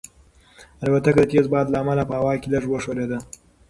الوتکه د تېز باد له امله په هوا کې لږه وښورېده.